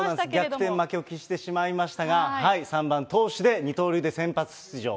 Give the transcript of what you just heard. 逆転負けを喫してしまいましたが、３番投手で二刀流で先発出場。